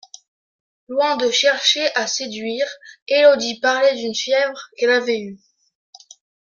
Loin de chercher à séduire, Élodie parlait d'une fièvre qu'elle avait eue.